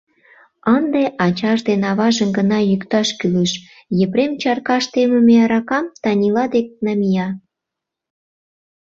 Ынде ачаж ден аважым гына йӱкташ кӱлеш, — Епрем чаркаш темыме аракам Танила дек намия.